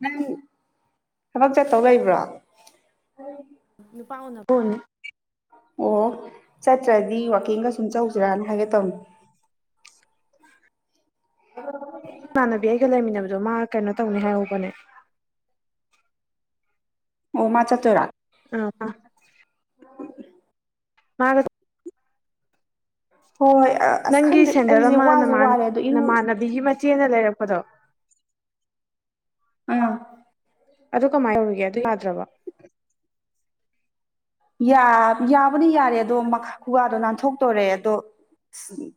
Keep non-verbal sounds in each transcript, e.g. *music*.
ꯅꯪ ꯊꯕꯛ ꯆꯠꯇꯧ ꯂꯩꯕ꯭ꯔꯣ ꯎꯝ ꯅꯨꯄꯥꯅ ꯐꯣꯟꯅꯤ ꯑꯣ ꯆꯠꯇ꯭ꯔꯗꯤ ꯋꯥꯋꯀꯤꯡꯒ ꯁꯨꯝ ꯆꯧꯁꯤꯔꯅ ꯍꯥꯏꯒꯦ ꯇꯧꯅꯤ *unintelligible* ꯏꯃꯥꯟꯅꯕꯤ ꯑꯩꯒ ꯂꯩꯃꯤꯟꯅꯕꯗꯣ ꯃꯥ ꯀꯩꯅꯣ ꯇꯧꯅꯤ ꯍꯥꯏꯍꯧꯕꯅꯦ ꯑꯣ ꯃꯥ ꯆꯠꯇꯣꯏꯔꯣ ꯑ ꯃꯥ ꯍꯣꯏ ꯍꯣꯏ ꯑꯁ ꯅꯪꯒꯤ ꯈꯪꯗꯦ ꯁꯦꯟꯗꯜ ꯑꯩꯁꯦ ꯑꯃ ꯋꯥꯁꯨ ꯅꯥꯟ ꯋꯥꯔꯦ ꯑꯗꯣ ꯏꯔꯨ ꯅꯃꯥꯟꯅꯕꯤꯒꯤ ꯃꯆꯦꯅ ꯂꯩꯔꯛꯄꯗꯣ ꯎꯝ ꯑꯗꯨ ꯀꯃꯥꯏꯅ ꯑꯣꯏꯔꯤꯒꯦ ꯑꯗꯨ ꯌꯥꯗ꯭ꯔꯕ ꯌꯥꯕꯨꯗꯤ ꯌꯥꯔꯤ ꯑꯗꯣꯥ ꯈꯨꯒꯥꯗꯣ ꯅꯥꯟꯊꯣꯛꯇꯣꯔꯦ ꯑꯗꯣ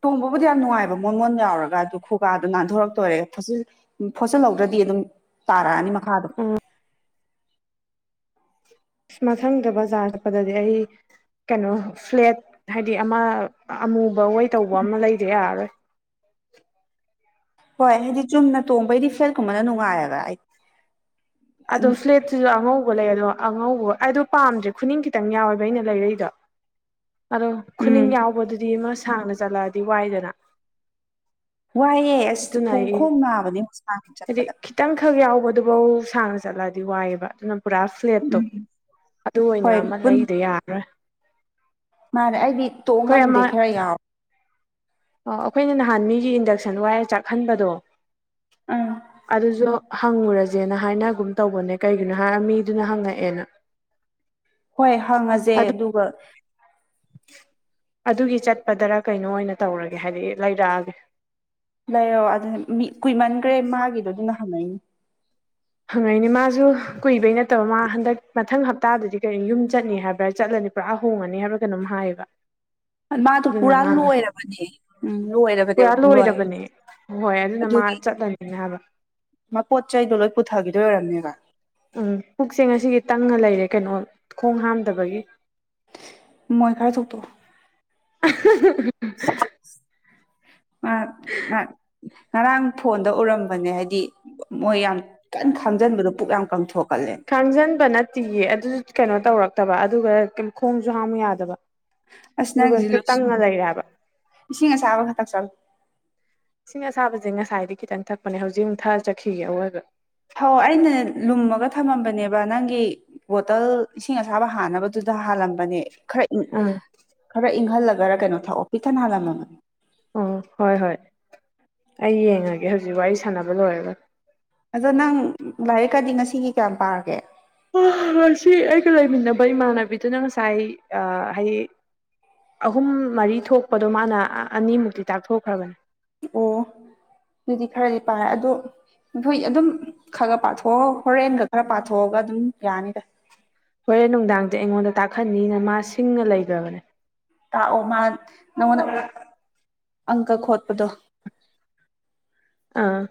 ꯇꯣꯡꯕꯕꯨꯗꯤ ꯌꯥꯝ ꯅꯨꯡꯉꯥꯏꯕ ꯃꯣꯟ ꯃꯣꯟ ꯂꯥꯎꯔꯒ ꯑꯗꯨ ꯈꯨꯒꯥꯗꯨ ꯅꯥꯟꯊꯣꯔꯛꯇꯣꯔꯦ ꯐꯖꯤ ꯎ ꯐꯣꯠꯆꯤꯜꯍꯧꯗ꯭ꯔꯗꯤ ꯑꯗꯨꯝ ꯇꯥꯔꯛꯑꯅꯤ ꯃꯈꯥꯗꯣ ꯎꯝ ꯃꯊꯪꯗꯥ ꯕꯖꯥꯔ ꯆꯠꯄꯥꯗꯥꯗꯤ ꯑꯩ ꯀꯩꯅꯣ ꯐ꯭ꯂꯦꯠ ꯍꯥꯏꯗꯤ ꯑꯃꯥ ꯑꯃꯨꯕ ꯑꯣꯏ ꯇꯧꯕ ꯑꯃ ꯂꯩꯗꯥ ꯌꯥꯔꯥꯔꯣꯏ ꯍꯣꯏ ꯍꯥꯏꯗꯤ ꯆꯨꯝꯅ ꯇꯣꯡꯕꯩꯗꯤ ꯐꯂꯦꯠꯀꯨꯝꯕꯥꯅ ꯅꯨꯡꯉꯥꯏꯌꯦꯕꯥ ꯑꯗꯣ ꯐ꯭ꯂꯦꯠꯁꯤꯁꯨ ꯑꯉꯧꯕ ꯂꯩ ꯑꯗꯣ ꯑꯉꯧꯕ ꯑꯩꯗꯣ ꯄꯥꯝꯗ꯭ꯔꯦ ꯈꯨꯅꯤꯡ ꯈꯤꯇꯪ ꯌꯥꯎꯋꯦꯕ ꯑꯩꯅ ꯂꯩꯔꯛꯏꯗꯣ ꯑꯗꯣ ꯎꯝ ꯈꯨꯅꯤꯡ ꯌꯥꯎꯕꯗꯨꯗꯤ ꯑꯃꯥ ꯁꯥꯡꯅ ꯆꯠꯂꯛꯑꯥꯗꯤ ꯋꯥꯏꯗꯥꯅ ꯋꯥꯏꯑꯦ ꯑꯁ ꯈꯣꯡ ꯈꯣꯡ ꯅꯥꯕꯅꯦ ꯁꯥꯡꯅ ꯆꯠꯄꯥꯗ ꯈꯤꯇꯪ ꯈꯛ ꯌꯥꯎꯕꯗꯨ ꯕꯧ ꯁꯥꯡꯅ ꯆꯠꯂꯛꯑꯗꯤ ꯋꯥꯏꯌꯦꯕꯥ ꯑꯗꯨꯅ ꯄꯨꯔꯥ ꯐ꯭ꯂꯦꯠꯇꯣ ꯎꯝ ꯑꯗꯨ ꯑꯣꯏꯅ ꯍꯣꯏ ꯑꯃꯥ ꯄꯨꯟ ꯂꯩꯗꯥ ꯌꯥꯔꯔꯣꯏ ꯃꯥꯅꯦ ꯑꯩꯗꯤ ꯇꯣꯡ ꯑꯩꯈꯣꯏ ꯉꯝꯗꯦ ꯈꯔꯥ ꯌꯥꯎ ꯑꯣ ꯑꯈꯣꯏꯅ ꯅꯍꯥꯟ ꯃꯤꯒꯤ ꯏꯟꯗꯛꯁꯟ ꯋꯥꯏꯔꯥ ꯆꯥꯛꯍꯟꯕꯗꯣ ꯑꯥ ꯑꯗꯨꯁꯨ ꯍꯪꯉꯨꯔꯥꯖꯦꯅꯥ ꯍꯥꯏꯅꯒꯨꯝ ꯇꯧꯕꯅꯦ ꯀꯩꯒꯤꯅꯣ ꯍꯥꯏꯔꯥ ꯃꯤꯗꯨꯅ ꯍꯪꯉꯛꯑꯦꯅꯥ ꯍꯣꯏ ꯍꯪꯉꯥꯖꯦ ꯑꯗꯨ ꯑꯗꯨꯒꯥ ꯑꯗꯨꯒꯤ ꯆꯠꯄꯗꯥꯔꯥ ꯀꯩꯅꯣ ꯑꯣꯏꯅ ꯇꯧꯔꯒꯦ ꯍꯥꯏꯗꯤ ꯂꯩꯔꯛꯑꯥꯒꯦ ꯂꯩꯔꯛꯑꯣ ꯑꯗꯨꯅꯦ ꯃꯤ ꯀꯨꯏꯃꯟꯒꯥꯔꯦ ꯃꯥꯒꯤꯗꯣ ꯑꯗꯨꯅ ꯍꯪꯉꯛꯏꯅꯦ ꯍꯪꯉꯛꯏꯅꯦ ꯃꯥꯁꯨ ꯀꯨꯏꯕꯩ ꯅꯠꯇꯥꯕ ꯃꯥ ꯍꯟꯗꯛ ꯃꯊꯪ ꯍꯞꯇꯥꯗꯥꯗꯤ ꯀꯔꯤ ꯌꯨꯝ ꯆꯠꯅꯤ ꯍꯥꯏꯕ꯭ꯔꯥ ꯆꯠꯂꯥꯅꯤ ꯄꯨꯔꯥ ꯍꯣꯡꯉꯥꯅꯤ ꯍꯥꯏꯕꯔꯥ ꯀꯩꯅꯣꯝ ꯍꯥꯏ ꯃꯥꯗꯣ ꯄꯨꯔꯥ ꯂꯣꯏꯔꯥꯕꯅꯦ ꯎꯝ ꯂꯣꯏꯔꯥꯕꯅꯦꯕꯥ ꯄꯨꯔꯥ ꯄꯨꯡꯂꯣꯏ ꯂꯣꯏꯔꯕꯅꯦ ꯍꯣꯏ ꯑꯗꯨꯅ ꯃꯥ ꯆꯠꯂꯥꯅꯤꯅꯥ ꯍꯥꯏꯕ ꯃꯥ ꯄꯣꯠ ꯆꯩꯗꯣ ꯂꯣꯏ ꯄꯨꯊꯥꯒꯤꯗꯣꯏ ꯑꯣꯏꯔꯝꯅꯦꯕꯥ ꯎꯝ ꯄꯨꯛꯁꯦ ꯉꯁꯤꯗꯤ ꯇꯪꯉꯥ ꯂꯩꯔꯦ ꯀꯩꯅꯣ ꯈꯣꯡ ꯍꯥꯝꯗꯕꯒꯤ ꯃꯣꯏ ꯈꯥꯔꯥ ꯊꯣꯛꯇꯣꯛꯑꯣ *unintelligible* *unintelligible* ꯉꯔꯥꯡ ꯐꯣꯟꯗꯥ ꯎꯔꯝꯕꯥꯅꯦ ꯍꯥꯏꯗꯤ ꯃꯣꯏ ꯌꯥꯝ ꯀꯟ ꯈꯥꯝꯖꯥꯟꯕꯗꯣ ꯄꯨꯛ ꯌꯥꯝ ꯀꯪꯊꯣꯛꯀꯜꯂꯦꯅꯥ ꯈꯥꯡꯖꯟꯕ ꯅꯠꯇꯤꯌꯦ ꯑꯗꯨꯁꯨ ꯀꯩꯅꯣ ꯇꯧꯔꯛꯇꯥꯕ ꯑꯗꯨꯒꯥ ꯈꯣꯡꯁꯨ ꯍꯥꯝꯃꯨ ꯌꯥꯗꯕ ꯑꯁ ꯑꯗꯨꯒ ꯅꯪꯒꯤꯁꯤ ꯍꯦꯛꯇ ꯂꯣꯏ ꯇꯪꯉ ꯁꯨꯔꯦ ꯂꯩꯔꯦ ꯍꯥꯏꯕ ꯏꯁꯤꯡ ꯑꯁꯥꯕ ꯈꯔꯥ ꯊꯛꯆꯜꯂꯨ ꯏꯁꯤꯡ ꯑꯁꯥꯕꯁꯦ ꯉꯁꯥꯏꯗꯤ ꯈꯤꯇꯪ ꯊꯛꯄꯅꯦ ꯍꯧꯖꯤꯛ ꯑꯃꯨꯛ ꯊꯛꯑꯥ ꯆꯠꯈꯤꯒꯦ ꯑꯋꯣꯏꯕ ꯍꯣ ꯑꯩꯅ ꯂꯨꯝꯃꯥꯒ ꯊꯝꯃꯝꯕꯥꯅꯦꯕ ꯅꯪꯒꯤ ꯕꯣꯇꯜ ꯏꯁꯤꯡ ꯑꯁꯥꯕ ꯍꯥꯟꯅꯕꯗꯨꯗ ꯍꯥꯜꯂꯝꯕꯅꯦ ꯈꯔ ꯏꯪ ꯑꯥ ꯈꯔ ꯏꯪꯍꯜꯂꯥꯒꯔꯥ ꯀꯩꯅꯣ ꯊꯥꯛꯑꯣ ꯄꯤꯛꯊꯟꯅꯥ ꯍꯥꯜꯂꯝꯃꯥꯕꯅꯤ ꯎꯝ ꯍꯣꯏ ꯍꯣꯏ ꯑꯩ ꯌꯦꯡꯉꯥꯒꯦ ꯍꯧꯖꯤꯛ ꯋꯥꯔꯤ ꯁꯥꯟꯅꯕ ꯂꯣꯏꯔꯥꯒ ꯑꯗꯣ ꯅꯪ ꯂꯥꯏꯔꯤꯛꯀꯥꯗꯤ ꯉꯁꯤꯒꯤ ꯀꯌꯥꯝ ꯄꯥꯔꯒꯦ ꯍꯥ ꯉꯁꯤ ꯑꯩꯒ ꯂꯩꯃꯤꯟꯅꯕ ꯏꯃꯥꯟꯅꯕꯤꯗꯨꯅ ꯉꯁꯥꯏ ꯍꯥꯏ ꯑꯍꯨꯝ ꯃꯔꯤ ꯊꯣꯛꯄꯗꯣ ꯃꯥꯅ ꯑꯅꯤꯃꯨꯛꯇꯤ ꯇꯥꯛꯊꯣꯛꯈ꯭ꯔꯕꯅꯤ ꯑꯣ ꯑꯗꯨꯗꯤ ꯈꯔꯥꯗꯤ ꯄꯥꯔꯦ ꯑꯗꯣ ꯅꯈꯣꯏ ꯑꯗꯨꯝ ꯈꯒꯥ ꯄꯥꯊꯣꯛꯑꯥꯒꯥ ꯍꯣꯔꯦꯟꯒꯥ ꯈꯔꯥ ꯄꯥꯊꯣꯛꯑꯥꯒ ꯑꯗꯨꯝ ꯌꯥꯅꯤꯗꯥ ꯍꯣꯔꯦꯟ ꯅꯨꯡꯗꯥꯡꯗꯤ ꯑꯩꯉꯣꯟꯗꯥ ꯇꯥꯛꯍꯟꯅꯤꯅ ꯃꯥ ꯁꯤꯡꯉꯥ ꯂꯩꯒ꯭ꯔꯥꯕꯅꯦ ꯇꯥꯛꯑꯣ ꯃꯥ ꯅꯪꯉꯣꯟꯗꯥ ꯑꯪꯀꯥ ꯈꯣꯠꯄꯗꯣ ꯑꯥ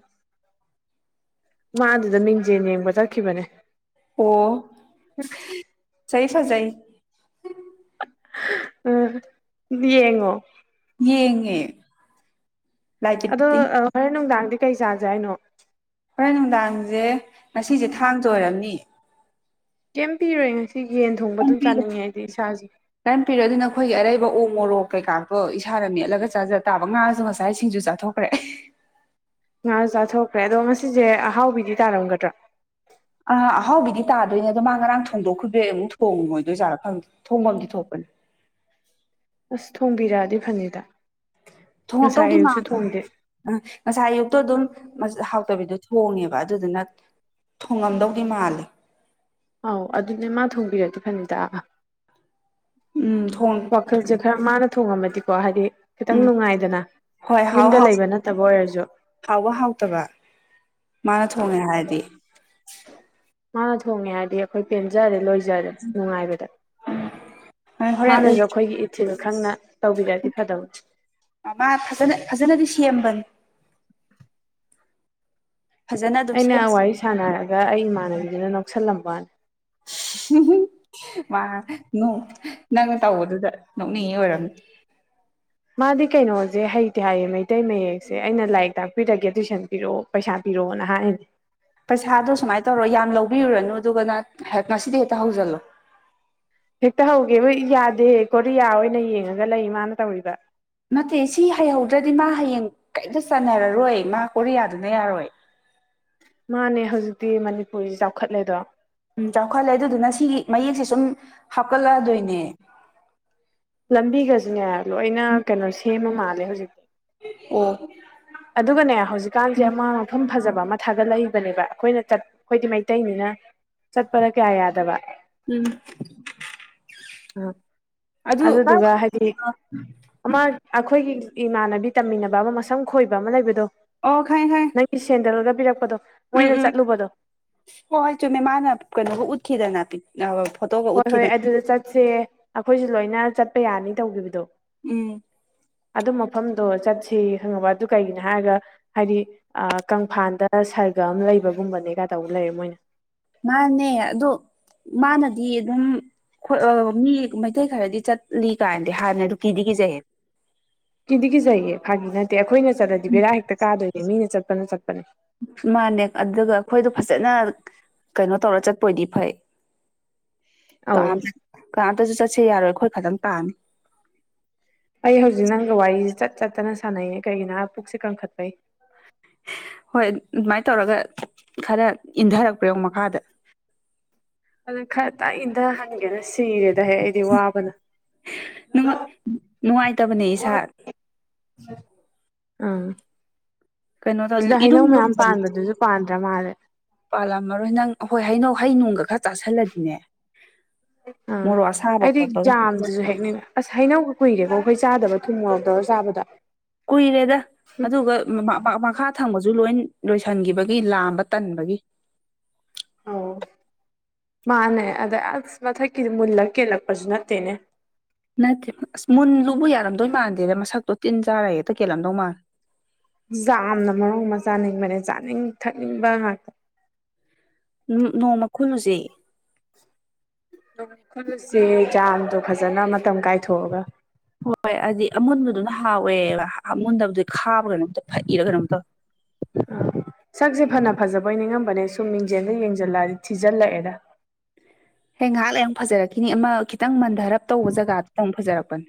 ꯃꯥ ꯑꯗꯨꯗ ꯃꯤꯡꯖꯦꯜ ꯌꯦꯡꯕ ꯆꯠꯈꯤꯕꯅꯦ ꯑꯣ ꯐꯖꯩ ꯐꯖꯩ ꯑꯥ ꯌꯦꯡꯉꯣ ꯌꯦꯡꯉꯦ ꯂꯥꯏꯠ ꯑꯗꯣ ꯗꯤꯕꯦꯇꯤꯡ ꯍꯣꯔꯦꯟ ꯅꯨꯡꯗꯥꯡꯗꯤ ꯀꯩ ꯆꯥꯖꯦ ꯍꯥꯏꯅꯣ ꯍꯣꯔꯦꯟ ꯅꯨꯡꯗꯥꯡꯁꯦ ꯉꯁꯤꯁꯦ ꯊꯥꯡꯖꯥ ꯑꯣꯏꯔꯝꯅꯤ ꯀꯩꯝ ꯄꯤꯔꯣꯏ ꯉꯁꯤ ꯌꯦꯟ ꯊꯣꯡꯕ ꯑꯗꯨꯝ ꯆꯥꯅꯤꯡꯉꯦ ꯑꯩꯗꯤ ꯏꯁꯥꯁꯦ ꯀꯩꯝ ꯄꯤꯔꯣꯏ ꯑꯗꯨꯨꯅꯥ ꯑꯈꯣꯏꯒꯤ ꯑꯔꯩꯕ ꯎ ꯃꯣꯔꯣꯛ ꯀꯩꯀꯥꯗꯣ ꯏꯁꯥꯅ ꯃꯦꯠꯂꯥꯒ ꯆꯥꯖ ꯇꯥꯕ ꯉꯥꯁꯨ ꯉꯁꯥꯏ ꯁꯤꯡꯖꯨ ꯆꯥꯊꯣꯛ ꯍꯣꯢ ꯉꯥꯁꯨ ꯆꯥꯊꯣꯛꯈ꯭ꯔꯦ ꯑꯗꯣ ꯉꯁꯤꯁꯦ ꯑꯍꯥꯎꯕꯤꯗꯤ ꯇꯥꯔꯝꯒꯗ꯭ꯔꯥ ꯑꯥ ꯑꯍꯥꯎꯕꯤꯗꯤ ꯇꯥꯗꯣꯏꯅꯦ ꯑꯗꯣ ꯃꯥ ꯉꯔꯥꯡ ꯊꯣꯡꯗꯣꯛꯈꯤꯕꯩ ꯑꯃꯨꯛ ꯊꯣꯡꯉꯣꯏꯗꯣꯏꯖꯥꯠꯂꯥ ꯈꯪꯗꯦ ꯊꯣꯡꯐꯝꯗꯤ ꯊꯣꯛꯄꯅꯦ ꯑꯁ ꯊꯣꯡꯕꯤꯔꯛꯑꯗꯤ ꯐꯅꯤꯗ ꯉꯁꯥꯏ ꯊꯣꯡꯉꯛꯇꯧꯗꯤ ꯑꯌꯨꯛꯁꯨ ꯃꯥꯜꯂꯦ ꯊꯣꯡꯗꯦ ꯉꯁꯥꯏ ꯑꯌꯨꯛꯇꯣ ꯑꯗꯨꯝ ꯍꯥꯎꯇꯕꯤꯗꯣ ꯊꯣꯡꯉꯦꯕ ꯑꯗꯨꯗꯨꯅ ꯊꯣꯡꯉꯝꯗꯧꯗꯤ ꯃꯥꯜꯂꯦ ꯑꯧ ꯑꯗꯨꯅꯦ ꯃꯥ ꯊꯣꯡꯕꯤꯔꯗꯤ ꯐꯅꯤꯗ ꯎꯝ ꯊꯣꯡ ꯋꯥꯈꯜꯁꯦ ꯈꯔ ꯃꯥꯅ ꯊꯣꯡꯉꯝꯃꯗꯤꯀꯣ ꯍꯥꯏꯗꯤ ꯈꯤꯇꯪ ꯎꯝ ꯅꯨꯡꯉꯥꯏꯗꯅ ꯍꯣꯏ ꯍꯥꯎ ꯌꯨꯝꯗ ꯍꯥꯎ ꯂꯩꯕ ꯅꯠꯇꯕ ꯑꯣꯏꯔꯁꯨ ꯍꯥꯎꯕ ꯍꯥꯎꯇꯕ ꯃꯥꯅ ꯊꯣꯡꯉꯦ ꯍꯥꯏꯔꯗꯤ ꯃꯥꯅ ꯊꯣꯡꯉꯦ ꯍꯥꯏꯔꯗꯤ ꯑꯩꯈꯣꯏ ꯄꯦꯟꯖꯥꯔꯦ ꯂꯣꯏꯖꯥꯔꯦ ꯅꯨꯡꯉꯥꯏꯕꯗ ꯍꯣꯔꯦꯟ ꯎ ꯃꯥꯅꯁꯨ ꯑꯩꯈꯣꯏꯒꯤ ꯏꯊꯤꯜ ꯈꯪꯅ ꯇꯧꯕꯤꯔꯛꯑꯥꯗꯤ ꯐꯥꯗꯕꯅꯦ ꯃꯥ ꯐꯖꯅ ꯐꯖꯅꯗꯤ ꯁꯦꯝꯕꯅꯤ ꯐꯖꯅ ꯑꯗꯨꯝ ꯑꯩꯅ ꯁꯦꯝ ꯋꯥꯔꯤ ꯁꯥꯟꯅꯔꯒ ꯑꯩ ꯏꯃꯥꯟꯅꯕꯤꯗꯨꯅ ꯅꯣꯡꯁꯜꯂꯝꯕꯅꯤ ꯃꯥ ꯅꯪꯅ ꯇꯧꯕꯗꯨꯗ ꯅꯣꯛꯅꯤꯡꯉꯤ ꯑꯣꯏꯔꯝꯅꯤ ꯃꯥꯗꯤ ꯀꯩꯅꯣꯁꯦ ꯍꯩꯇꯦ ꯍꯥꯏꯌꯦ ꯃꯩꯇꯩ ꯃꯌꯦꯛꯁꯦ ꯑꯩꯅ ꯂꯥꯏꯔꯤꯛ ꯇꯥꯛꯄꯤꯔꯒꯦ ꯇꯨꯏꯁꯟ ꯄꯤꯔꯛꯑꯣ ꯄꯩꯁꯥ ꯄꯤꯔꯛꯑꯣꯅ ꯍꯥꯏꯅꯦ ꯄꯩꯁꯥꯗꯣ ꯁꯨꯃꯥꯏꯅ ꯇꯧꯔꯣ ꯌꯥꯝ ꯂꯧꯕꯤꯔꯨꯔꯅꯨ ꯑꯗꯨꯒ ꯉꯁꯤꯗꯤ ꯍꯦꯛꯇ ꯍꯧꯖꯤꯜꯂꯣ ꯍꯦꯛꯇ ꯍꯧꯒꯦꯕ ꯌꯥꯗꯦ ꯀꯣꯔꯤꯌꯥ ꯑꯣꯏꯅ ꯌꯦꯡꯉꯒ ꯂꯩ ꯃꯥꯅ ꯇꯧꯔꯤꯕ ꯅꯠꯇꯦ ꯁꯤ ꯍꯩꯍꯧꯗ꯭ꯔꯗꯤ ꯃꯥ ꯍꯌꯦꯡ ꯀꯩꯝꯇꯥ ꯆꯥꯟꯅꯔꯔꯣꯏ ꯃꯥ ꯀꯣꯔꯤꯌꯥꯗꯨꯅ ꯌꯥꯔꯣꯏ ꯃꯥꯅꯦ ꯍꯧꯖꯤꯛꯇꯤ ꯃꯅꯤꯄꯨꯔꯤ ꯆꯥꯎꯈꯠꯂꯦꯗꯣ ꯎꯝ ꯆꯥꯎꯈꯠꯂꯦ ꯑꯗꯨꯗꯨꯅ ꯁꯤꯒꯤ ꯃꯌꯦꯛꯁꯦ ꯁꯨꯝ ꯍꯥꯞꯀꯠ ꯂꯛꯑꯗꯣꯏꯅꯦ ꯂꯝꯕꯤꯒꯁꯤꯅꯦ ꯂꯣꯏꯅ ꯀꯩꯅꯣ ꯁꯦꯝꯃ ꯃꯥꯜꯂꯦ ꯍꯧꯖꯤꯛꯇꯤ ꯑꯣ ꯑꯗꯨꯒꯅꯦ ꯍꯧꯖꯤꯛꯀꯥꯟꯁꯦ ꯑꯃꯥ ꯃꯐꯝ ꯐꯖꯕ ꯑꯃ ꯊꯥꯒꯠꯂꯛꯏꯕꯅꯦꯕ ꯑꯩꯈꯣꯏꯅ ꯆꯠ ꯑꯩꯈꯣꯏꯗꯤ ꯃꯩꯇꯩꯅꯤꯅ ꯆꯠꯄꯗ ꯀꯌꯥ ꯌꯥꯗꯕ ꯎꯝ ꯑꯥ ꯑꯗꯨ ꯑꯗꯨꯗꯨꯒ ꯍꯥꯏꯗꯤ ꯑꯃꯥ ꯑꯩꯈꯣꯏꯒꯤ ꯏꯃꯥꯟꯅꯕꯤ ꯇꯝꯃꯤꯟꯅꯕ ꯑꯃꯥ ꯃꯁꯝ ꯈꯣꯏꯕ ꯑꯃꯥ ꯂꯩꯕꯗꯣ ꯑꯣ ꯈꯪꯉꯦ ꯈꯪꯉꯦ ꯅꯣꯏꯒꯤ ꯁꯦꯟꯗꯜꯒ ꯄꯤꯔꯛꯄꯗꯣ ꯃꯣꯏꯅ ꯆꯠꯂꯨꯕꯗꯣ ꯍꯣ ꯍꯣꯏ ꯆꯨꯝꯃꯦ ꯃꯥꯅ ꯀꯩꯅꯣꯒ ꯎꯠꯈꯤꯗꯅ ꯄꯤ ꯑꯧ ꯐꯣꯇꯣ ꯍꯣꯏ ꯍꯣꯏ ꯑꯗꯨꯗ ꯆꯠꯁꯦ ꯑꯩꯈꯣꯏꯁꯨ ꯂꯣꯏꯅ ꯆꯠꯄ ꯌꯥꯅꯤ ꯇꯧꯈꯤꯕꯗꯣ ꯎꯝ ꯑꯗꯨ ꯃꯐꯝꯗꯣ ꯆꯠꯁꯤꯌꯦ ꯈꯪꯉꯕ ꯑꯗꯨ ꯀꯩꯒꯤꯅꯣ ꯍꯥꯏꯔꯒ ꯍꯥꯏꯗꯤ ꯑꯥ ꯀꯪꯐꯥꯟꯗ ꯁꯔꯒ ꯑꯃꯥ ꯂꯩꯕꯒꯨꯝꯕꯅꯦꯒ ꯇꯧ ꯂꯩꯔꯦ ꯃꯣꯏꯅ ꯃꯥꯅꯦ ꯑꯗꯣ ꯃꯥꯅꯗꯤ ꯑꯗꯨꯝ ꯍꯣꯏ ꯃꯤ ꯃꯩꯇꯩ ꯈꯔꯗꯤ ꯆꯠꯂꯤ ꯀꯥꯏꯅꯗꯤ ꯍꯥꯏꯕꯅꯦ ꯑꯗꯨꯨ ꯀꯤꯗꯤ ꯀꯤꯖꯩꯌꯦ ꯀꯤꯗꯤ ꯀꯖꯩꯌꯦ ꯐꯥꯈꯒꯤ ꯅꯠꯇꯦ ꯑꯩꯈꯣꯏꯅ ꯆꯠꯂꯗꯤ ꯕꯦꯔꯥ ꯍꯦꯛꯇ ꯀꯥꯗꯣꯏꯅꯦ ꯃꯤꯅ ꯆꯠꯄꯅ ꯆꯠꯄꯅꯤ ꯃꯥꯅꯦ ꯑꯗꯨꯒ ꯑꯩꯈꯣꯏꯗꯣ ꯐꯥꯖꯅ ꯀꯩꯅꯣ ꯇꯧꯔ ꯆꯠꯄ ꯑꯣꯏꯗꯤ ꯐꯩ ꯑꯧ ꯀꯥꯝ ꯀꯅꯥꯝꯇꯁꯨ ꯆꯠꯁꯦ ꯌꯥꯔꯣꯏ ꯑꯩꯈꯣꯏ ꯇꯪ ꯇꯥꯅꯤ ꯑꯩ ꯍꯧꯖꯤꯛ ꯅꯪꯒ ꯋꯥꯔꯤ ꯆꯠ ꯆꯠꯇꯅ ꯁꯥꯟꯅꯩ ꯀꯩꯒꯤꯅꯣ ꯍꯥꯏ ꯄꯨꯛꯁꯦ ꯀꯟꯈꯠꯄꯩ ꯍꯣꯏ ꯑꯗꯨꯃꯥꯏꯟ ꯇꯧꯔꯒ ꯈꯔ ꯏꯟꯊꯔꯛꯄ ꯌꯦꯡꯎ ꯃꯈꯥꯗ ꯑꯗꯨꯗ ꯈꯔ ꯇꯥꯛꯏꯗ ꯁꯤꯔꯦꯗ ꯍꯦ ꯑꯩꯗꯤ ꯋꯥꯕꯅ ꯅꯨꯡꯉꯥꯏꯇꯕꯅꯦ ꯏꯁꯥ ꯑꯥ ꯀꯩꯅꯣ ꯇꯧ ꯁꯤꯗ ꯏꯔꯨꯝ ꯍꯩꯅꯧ ꯃꯌꯥꯝ ꯂꯨꯝꯕꯅꯦ ꯄꯥꯟꯕꯗꯨꯁꯨ ꯄꯥꯟꯗ꯭ꯔꯥ ꯃꯥꯜꯂꯦ ꯄꯥꯜꯂꯝꯃꯔꯣꯏ ꯅꯪ ꯍꯣꯏ ꯍꯩꯅꯧ ꯍꯩꯅꯣꯡꯒ ꯈꯔ ꯆꯥꯥꯁꯜꯂꯗꯤꯅꯦ ꯑꯥ ꯃꯣꯔꯣꯛ ꯑꯁꯥꯕ ꯑꯩꯗꯤ ꯈꯣꯠꯄꯒ ꯖꯥꯝꯗꯨꯁꯨ ꯍꯦꯛꯅꯤꯡ ꯑꯁ ꯍꯩꯅꯧꯒ ꯀꯨꯏꯔꯦꯀꯣ ꯑꯩꯈꯣꯏ ꯆꯥꯗꯕ ꯊꯨꯝ ꯃꯣꯔꯣꯛ ꯇꯧꯔꯒ ꯆꯥꯕꯗꯣ ꯀꯨꯏꯔꯦꯗ ꯑꯗꯨꯒ ꯃꯈꯥ ꯊꯪꯕꯁꯨ ꯂꯣꯏꯟ ꯂꯣꯏꯁꯤꯟꯈꯤꯕꯒꯤ ꯂꯥꯝꯕ ꯇꯟꯕꯒꯤ ꯑꯣ ꯃꯥꯅꯦ ꯑꯥꯗ ꯑꯁ ꯃꯊꯛꯀꯤ ꯃꯨꯜꯂ ꯀꯦꯜꯂꯛꯄꯁꯨ ꯅꯠꯇꯦꯅꯦ ꯅꯠꯇꯦ ꯑꯁ ꯃꯨꯟ ꯂꯨꯕꯨ ꯌꯥꯔꯝꯗꯣꯏ ꯃꯥꯟꯗꯦꯗ ꯃꯁꯛꯇꯣ ꯇꯤꯟ ꯆꯥꯔ ꯍꯦꯛꯇ ꯀꯦꯜꯂꯝꯗꯧ ꯃꯥꯜ ꯖꯥꯝꯅ ꯃꯔꯣꯟ ꯑꯃ ꯆꯥꯅꯤꯡꯕꯅꯦ ꯆꯥꯅꯤꯡ ꯊꯛꯅꯤꯡꯕ ꯉꯥꯛꯇ ꯅꯣꯡꯃ ꯈꯨꯨꯜꯂꯨꯁꯦ ꯈꯨꯜꯁꯦ ꯖꯥꯝꯗꯣ ꯐꯖꯅ ꯃꯇꯝ ꯀꯥꯏꯊꯣꯛꯑꯒ ꯍꯣꯏ ꯑꯗꯤ ꯑꯃꯨꯣꯟꯕꯗꯨꯅ ꯍꯥꯎꯋꯦꯕ ꯑꯃꯨꯣꯟꯗꯕꯗꯤ ꯈꯥꯕ ꯀꯩꯅꯣꯝ ꯐꯛꯏꯔ ꯀꯩꯅꯣꯝ ꯇꯧꯏ ꯑꯥ ꯁꯛꯁꯦ ꯐꯅ ꯐꯖꯕꯣꯏ ꯈꯜꯂꯝꯕꯅꯦ ꯁꯨꯝ ꯃꯤꯡꯖꯦꯜꯗ ꯌꯦꯡꯁꯤꯜꯂꯛꯑꯗꯤ ꯊꯤꯖꯤꯜꯂꯛꯑꯦꯗ ꯍꯦ ꯉꯥꯏꯍꯥꯛ ꯑꯃꯨꯛ ꯐꯖꯔꯛꯈꯤꯅꯤ ꯑꯃ ꯈꯤꯇꯪ ꯃꯟꯙꯔꯞ ꯇꯧꯕ ꯖꯒꯗꯨꯗ ꯑꯃꯨꯛ ꯐꯖꯔꯛꯄꯅꯦ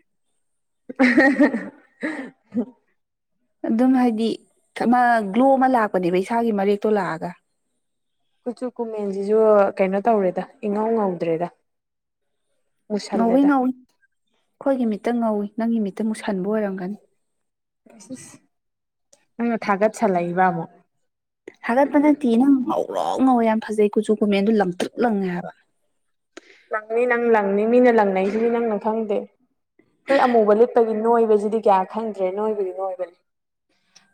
*unintelligible* *unintelligible* ꯑꯗꯨꯝ ꯍꯥꯏꯗꯤ ꯑꯃ ꯒ꯭ꯂꯣꯜ ꯑꯃ ꯂꯥꯛꯄꯅꯦꯕ ꯏꯁꯥꯒꯤ ꯃꯔꯛꯇꯣ ꯂꯥꯛꯑꯒ ꯀꯨꯆꯨ ꯀꯨꯃꯦꯟꯁꯤꯁꯨ ꯀꯩꯅꯣ ꯇꯧꯔꯦꯗ ꯏꯉꯧ ꯉꯧꯗ꯭ꯔꯦꯗ ꯉꯧꯏ ꯃꯨꯁꯜꯂꯦꯗ ꯉꯧꯏ ꯑꯩꯈꯣꯏꯒꯤ ꯃꯤꯠꯇ ꯉꯧꯏ ꯅꯪꯒꯤ ꯃꯤꯠꯇ ꯃꯨꯛꯁꯟꯕ ꯑꯣꯏꯔꯝꯒꯅꯤ ꯏꯁ ꯏꯁ ꯅꯪꯅ ꯊꯥꯒꯠꯁꯜꯂꯛꯏꯕ ꯑꯃꯨꯛ ꯍꯊꯥꯒꯠꯄ ꯅꯠꯇꯦ ꯅꯪ ꯉꯧꯔꯣ ꯉꯧꯋꯦ ꯌꯥꯝ ꯐꯖꯩ ꯀꯨꯆꯨ ꯀꯨꯃꯦꯟꯗꯨ ꯂꯪꯇ꯭ꯔꯨꯛ ꯂꯪꯉꯦ ꯍꯥꯏꯕ ꯂꯥꯡꯅꯤ ꯅꯪ ꯂꯥꯡꯅꯤ ꯃꯤꯅ ꯂꯥꯡꯅꯁꯤꯗꯤ ꯅꯪꯅ ꯈꯪꯗꯦ ꯑꯩꯈꯣꯏ ꯑꯃꯨꯕ ꯂꯤꯠꯄꯩ ꯅꯣꯏꯕꯁꯤꯗꯤ ꯀꯌꯥ ꯈꯪꯗ꯭ꯔꯦ ꯅꯣꯏꯕꯗꯤ ꯅꯣꯏꯕꯅꯤ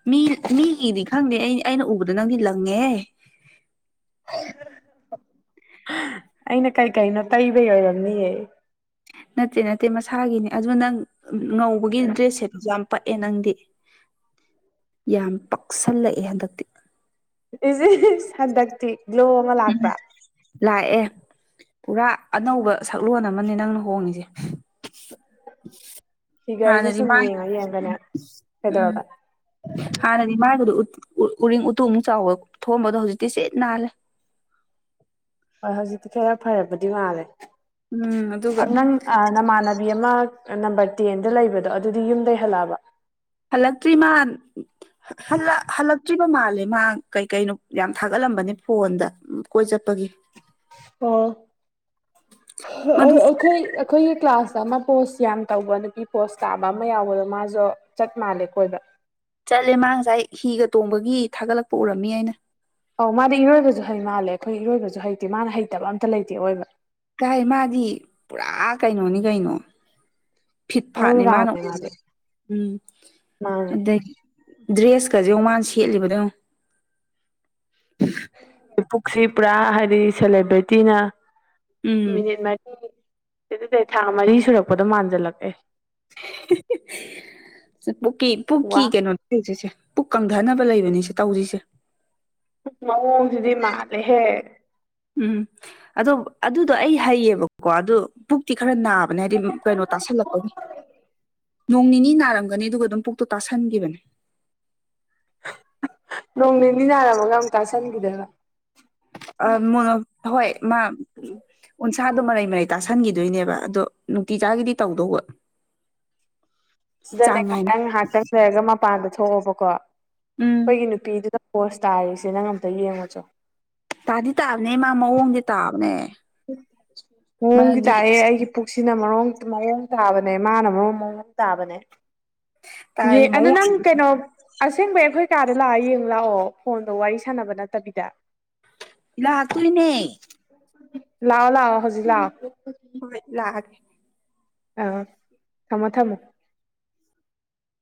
ꯃꯤ ꯃꯤꯒꯤꯗꯤ ꯈꯪꯗꯦ ꯑꯩ ꯑꯩꯅ ꯎꯕꯗ ꯅꯪꯗꯤ ꯂꯪꯉꯦꯍ‌ꯦ ꯑꯩꯅ ꯀꯩ ꯀꯩꯅꯣ ꯇꯩꯕꯩ ꯑꯣꯏꯔꯝꯅꯤꯌ‌ꯦ ꯅꯠꯇꯦ ꯅꯠꯇꯦ ꯃꯁꯥꯒꯤꯅꯤ ꯑꯗꯨ ꯅꯪ ꯉꯧꯕꯒꯤ ꯗ꯭ꯔꯦꯁ ꯁ‌ꯦꯠꯄꯁꯨ ꯌꯥꯝ ꯄꯛꯑꯦ ꯅꯪꯗꯤ ꯌꯥꯝ ꯄꯛꯁꯜꯂꯛꯑꯦ ꯍꯟꯗꯛꯇꯤ ꯏꯁ ꯍꯟꯗꯛꯇꯤ ꯒ꯭ꯂꯣ ꯑꯃ ꯎꯝ ꯂꯥꯛꯄ꯭ꯔꯥ ꯂꯥꯛꯑꯦ ꯄꯨꯔꯥ ꯑꯅꯧꯕ ꯁꯛꯂꯣꯟ ꯑꯃꯅꯤ ꯅꯪꯅ ꯍꯣꯡꯉꯁꯦ ꯐꯤꯒꯔꯁꯦ ꯍꯥꯟꯅꯗꯤ ꯁꯨꯝ ꯃꯥꯏ ꯌꯦꯡꯉ ꯌꯦꯡꯉꯒꯅꯦ ꯎꯝ ꯀꯩꯗꯧꯔꯕ ꯍꯥꯟꯅꯗꯤ ꯃꯥꯥꯏꯒꯗꯨ ꯎꯔꯤꯡ ꯎꯇꯨꯞ ꯑꯃꯨꯛ ꯆꯥꯎꯕ ꯊꯣꯝꯕꯗꯣ ꯍꯧꯖꯤꯛꯇꯤ ꯁꯤꯠ ꯅꯥꯜꯂꯦ ꯍꯣꯏ ꯍꯧꯖꯤꯛꯇꯤ ꯈꯔ ꯐꯔꯕꯗꯤ ꯃꯥꯜꯂꯦ ꯎꯝ ꯑꯗꯨꯒ ꯅꯪ ꯅꯃꯥꯟꯅꯕꯤ ꯑꯃ ꯅꯝꯕꯔ ꯇꯦꯟꯗ ꯂꯩꯕꯗꯣ ꯑꯗꯨꯗꯤ ꯌꯨꯝꯗꯩꯍꯜꯂꯛꯑꯕ ꯍꯜꯂꯛꯇ꯭ꯔꯤꯃꯥꯟ ꯍꯜꯂ ꯍꯜꯂꯛꯇ꯭ꯔꯤ ꯆꯠꯕ ꯃꯥꯜꯂꯦ ꯃꯥ ꯀꯩ ꯀꯩꯅꯣ ꯌꯥꯝ ꯊꯥꯒꯠꯂꯝꯕꯅꯦ ꯐꯣꯟꯗ ꯀꯣꯏ ꯆꯠꯄꯒꯤ ꯑꫭ ꯃꯗꯨ ꯑꯩꯈꯣꯏ ꯑꯩꯈꯣꯏꯒꯤ ꯀ꯭ꯂꯥꯁꯇ ꯑꯃ ꯄꯣꯁ ꯌꯥꯝ ꯇꯧꯕ ꯅꯨꯄꯤ ꯄꯣꯁ ꯇꯥꯕ ꯑꯃ ꯌꯥꯎꯕꯗꯣ ꯃꯥꯁꯨ ꯆꯠ ꯃꯥꯜꯂꯦ ꯀꫭꯏꯕꯥ ꯆꯠꯂꯦ ꯃꯥ ꯉꯁꯥꯏ ꯍꯤꯒ ꯇꯣꯡꯕꯒꯤ ꯊꯥꯒꯠꯂꯛꯄ ꯎꯔꯝꯃꯤ ꯑꯩꯅ ꯑꯧ ꯃꯥꯗꯤ ꯏꯔꯣꯏꯕꯁꯨ ꯍꯩ ꯃꯥꯜꯂꯦ ꯑꯩꯈꯣꯏ ꯏꯔꯣꯏꯕꯁꯨ ꯍꯩꯇꯦ ꯃꯥꯅ ꯍꯩꯇꯕ ꯑꯝꯇ ꯂꯩꯇꯦ ꯑꯣꯏꯕ ꯀꯥꯏ ꯃꯥꯗꯤ ꯄꯨꯔꯥ ꯀꯩꯅꯣꯅꯤ ꯀꯩꯅꯣ ꯐꯤꯠ ꯑꯣꯜ ꯐꯥꯠꯅꯤ ꯃꯥꯅ ꯎ ꯔꯥꯎꯟꯅꯦ ꯃꯥꯗꯤ ꯎꯝ ꯃꯥꯅꯦ ꯑꯗꯒꯤ ꯗ꯭ꯔꯦꯁꯀꯁꯦ ꯌ‌ꯦꯡꯉꯨ ꯃꯥꯅ ꯁꯦꯠꯂꯤꯕꯗ ꯌ‌ꯦꯡꯉꯨ ꯄꯨꯛꯁꯤ ꯄꯨꯔꯥ ꯍꯥꯏꯗꯤ ꯁꯦꯂꯦꯕ꯭ꯔꯤꯇꯤꯅ ꯎꯝ ꯃꯤꯅꯤꯠ ꯃꯔꯤꯔꯤ ꯁꯤ ꯑꯗꯨꯗꯤ ꯊꯥ ꯃꯔꯤ ꯁꯨꯔꯛꯄꯗꯣ ꯃꯥꯟꯖꯜꯂꯛꯀꯦ *unintelligible* ꯄꯨꯀꯤ ꯋꯥ ꯄꯨꯀꯤ ꯀꯩꯅꯣ ꯁꯤ ꯁꯤꯁꯦ ꯄꯨꯛ ꯀꯪꯊꯕ ꯂꯩꯕꯅꯤ ꯁꯤ ꯇꯧꯖꯤꯁꯦ ꯃꯑꯣꯡꯁꯤꯗꯤ ꯃꯥꯜꯂꯦꯍꯦ ꯎꯝ ꯑꯗꯣ ꯑꯗꯨꯗꯣ ꯑꯩ ꯍꯩꯌꯦꯕꯀꯣ ꯑꯗꯨ ꯄꯨꯛꯇꯤ ꯈꯔ ꯅꯥꯕꯅꯦ ꯍꯥꯏꯗꯤ ꯀꯩꯅꯣ ꯇꯥꯁꯜꯂꯛꯄꯒꯤ ꯅꯣꯡ ꯅꯤꯅꯤ ꯅꯥꯔꯝꯒꯅꯤ ꯑꯗꯨꯒ ꯑꯗꯨꯝ ꯄꯨꯛꯇꯣ ꯇꯥꯁꯟꯈꯤꯕꯅꯦ ꯅꯣꯡ ꯅꯤꯅꯤ ꯅꯥꯔꯝꯃꯒ ꯑꯃꯨꯛ ꯇꯥꯁꯟꯈꯤꯗꫭꯏꯔꫭ ꯑꯥ ꯃ ꯍꯣꯏ ꯃꯥ ꯎ *unintelligible* ꯏꯁꯥꯗꯣ ꯃꯔꯩ ꯃꯔꯩ ꯇꯥꯁꯟꯈꯤꯗꯣꯏꯅꯦꯕ ꯑꯗꯣ ꯅꯨꯡꯇꯤ ꯆꯥꯒꯤꯗꯤ ꯇꯧꯗꯧꯕ ꯆꯥꯡ ꯁꯤꯗꯅꯦꯀꯣ ꯅꯥꯏꯅ ꯅꯪ ꯉꯥꯏꯍꯥꯛꯇꯪ ꯂꯩꯔꯒ ꯃꯄꯥꯟꯗ ꯊꯣꯛꯑꯣꯕꯀꯣ ꯎꯝ ꯑꯩꯈꯣꯏꯒꯤ ꯅꯨ ꯅꯨꯄꯤꯗꯨꯗ ꯄꯣꯁ ꯇꯥꯔꯤꯁꯦ ꯅꯪ ꯑꯝꯇ ꯌꯦꯡꯉꯨꯆꯣ ꯇꯥꯗꯤ ꯇꯥꯕꯅꯦ ꯃꯥ ꯃꯑꯣꯡꯗꯤ ꯇꯥꯕꯅꯦ ꯃꯑꯣꯡꯗꯤ ꯃꯥꯒꯤ ꯇꯥꯌ‌ꯦ ꯑꯩꯒꯤ ꯄꯨꯛꯁꯤꯅ ꯃꯔꯣꯡ ꯃꯑꯣꯡ ꯇꯥꯕꯅꯦ ꯃꯥꯅ ꯃ‌ꯑꫭꯡ ꯑꯃ ꯃꯑꯣꯡ ꯇꯥꯕꯅꯦ ꯌꯦ ꯇꯥꯏ ꯑꯗꯨ ꯃꯑꯣꯡ ꯅꯪ ꯀꯩꯅꯣ ꯑꯁꯦꯡꯕꯩ ꯑꯩꯈꯣꯏ ꯀꯥꯗ ꯂꯥꯛꯑ ꯌꯦꯡꯉꯨ ꯂꯥꯛꯑꯣ ꯐꯣꯟꯗ ꯋꯥꯔꯤ ꯁꯥꯟꯅꯕ ꯅꯠꯇꯕꯤꯗ ꯂꯥꯛꯇꯣꯏꯅꯦ ꯂꯥꯎꯑꯣ ꯂꯥꯎꯑꯣ ꯍꯧꯖꯤꯛ ꯂꯥꯎꯑꯣ ꯍꯣꯏ ꯂꯥꯛꯑꯦꯒ‌ꯦ ꯑꯧ ꯊꯝꯃꯣ ꯊꯝꯃꯣ